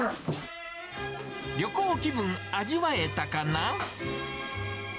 旅行気分、味わえたかな？